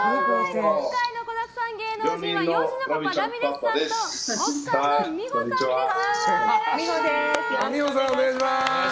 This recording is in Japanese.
今回の子だくさん芸能人は４児のパパ、ラミレスさんと奥さんの美保さんです。